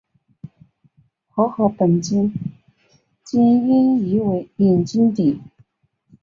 和合本圣经音译为隐基底。